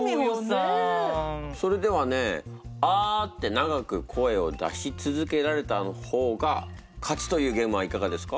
それではね「あ」って長く声を出し続けられた方が勝ちというゲームはいかがですか？